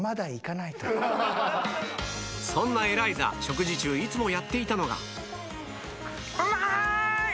そんなエライザ食事中いつもやっていたのがうまい！